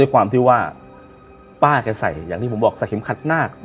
ความที่ว่าป้าแกใส่อย่างที่ผมบอกใส่เข็มขัดนาค